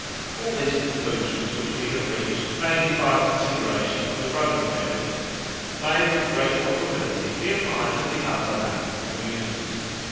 All these conclusions, which we have reached mainly by a consideration of the Roman evidence, may with great probability be applied to the other Latin communities.